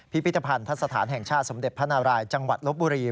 พิพิธภัณฑสถานแห่งชาติสมเด็จพระนารายจังหวัดลบบุรี